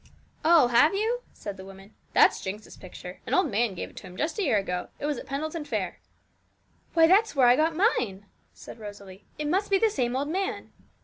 'Oh, have you?' said the woman. 'That's Jinx's picture. An old man gave it to him just a year ago, it will be; it was at Pendleton fair.' 'Why, that's where I got mine!' said Rosalie. 'It must be the same old man.'